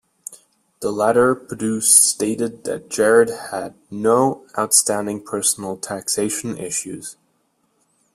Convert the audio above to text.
The letter produced stated that Gerard had no outstanding personal taxation issues.